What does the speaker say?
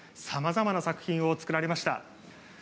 さまざまな作品が作られました。